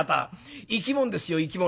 生き物ですよ生き物」。